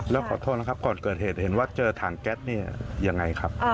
แล้วขอโทษนะครับก่อนเกิดเหตุเห็นว่าเจอถังแก๊สเนี่ยยังไงครับ